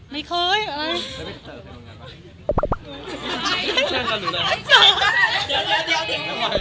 เดี๋ยวพี่พี่จ่อยเคยบ้านการ์ดหรอ